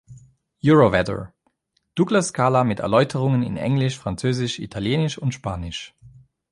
Euro-Weather: Douglas Skala mit Erläuterungen in Englisch, Französisch, Italienisch und Spanisch